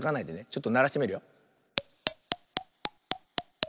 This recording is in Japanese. ちょっとならしてみるよ。